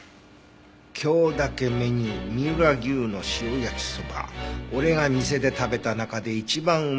「今日だけメニュー三浦牛の塩焼きそば」「俺が店で食べた中で一番うまい焼きそば！！！！」